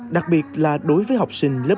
đặc biệt là đối với học sinh lớp một